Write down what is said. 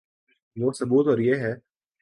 وہ ثبوت اور یہ ہے۔